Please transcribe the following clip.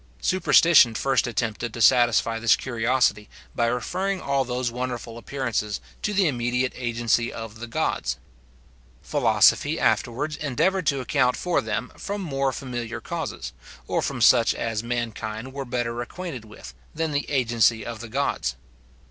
Superstition first attempted to satisfy this curiosity, by referring all those wonderful appearances to the immediate agency of the gods. Philosophy afterwards endeavoured to account for them from more familiar causes, or from such as mankind were better acquainted with, than the agency of the gods.